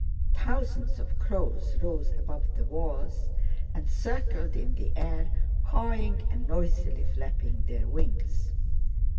Thousands of crows rose above the walls and circled in the air, cawing and noisily flapping their wings.